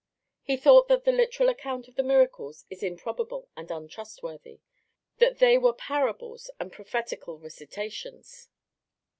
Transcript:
He thought that the literal account of the miracles is improbable and untrustworthy, that they were parables and prophetical recitations.